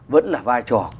vẫn là vai trò